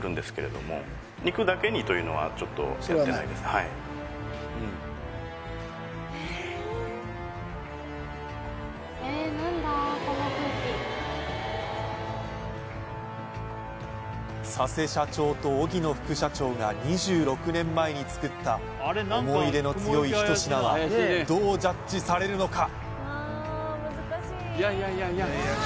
はい佐瀬社長と荻野副社長が２６年前に作った思い入れの強い一品はどうジャッジされるのか？